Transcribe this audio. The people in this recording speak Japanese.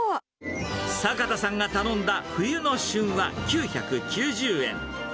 坂田さんが頼んだ冬の旬は９９０円。